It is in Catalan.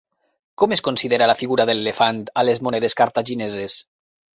Com es considera la figura de l'elefant a les monedes cartagineses?